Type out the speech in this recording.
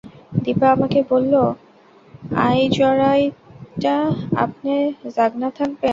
দিপা আমাকে বললো, আইজরাইতটা আপনে জাগনা থাকবেন।